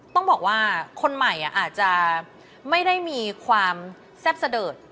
ต้องบอกว่าคนใหม่อาจจะไม่ได้มีความแซ่บสะเดิด